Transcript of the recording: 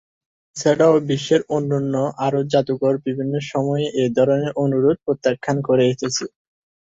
এছাড়াও বিশ্বের অন্যান্য আরও জাদুঘর বিভিন্ন সময়ে এ ধরনের অনুরোধ প্রত্যাখান করে এসেছে।